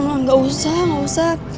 enggak usah enggak usah